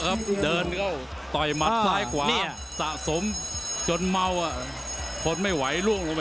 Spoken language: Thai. ไปบุกกับบุยอาชีพได้ไงแล้ว